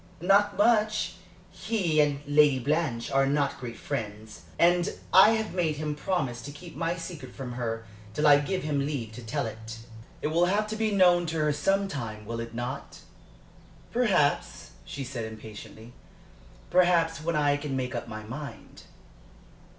"Not much. He and Lady Blanche are not great friends. And I have made him promise to keep my secret from her till I give him leave to tell it." "It will have to be known to her some time, will it not?" "Perhaps," she said, impatiently. "Perhaps, when I can make up my mind."